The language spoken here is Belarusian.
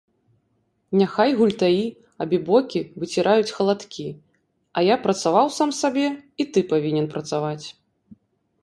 Няхай гультаі, абібокі выціраюць халадкі, а я працаваў сам сабе, і ты павінен працаваць.